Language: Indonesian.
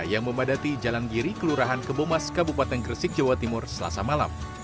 yang memadati jalan giri kelurahan kebomas kabupaten gresik jawa timur selasa malam